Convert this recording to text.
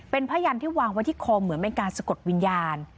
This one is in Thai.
เป็นผ้ายันที่วางไว้ที่คอเหมือนเป็นการสะกดวิญญาณ